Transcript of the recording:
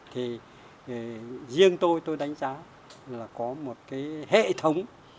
thì riêng tôi đánh giá là có một hệ thống